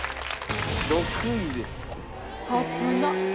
６位です。